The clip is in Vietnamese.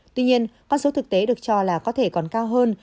tuy nhiên con số thực tế được cho là có thể còn cao hơn